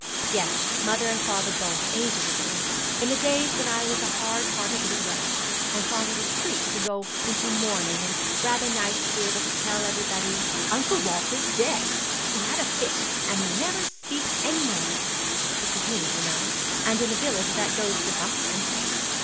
'Yes, mother and father both, ages ago, in the days when I was a hard hearted little wretch, and thought it a treat to go into mourning, and rather nice to be able to tell everybody, "Uncle Walford's dead. He had a fit, and he never speaked any more." It was news, you know, and in a village that goes for something.'